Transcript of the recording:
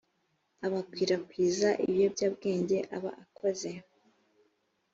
abakwirakwiza ibiyobyabwenge aba akoze